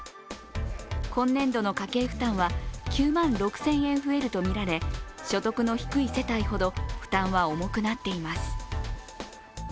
今年度の家計負担は、９万６０００円増えるとみられ、所得の低い世帯ほど負担は重くなっています。